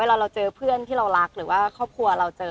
เราเจอเพื่อนที่เรารักหรือว่าครอบครัวเราเจอ